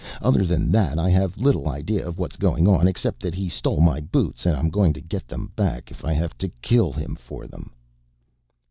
Other than that I have little idea of what is going on except that he stole my boots and I'm going to get then back if I have to kill him for them."